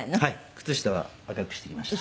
靴下は赤くしてきました。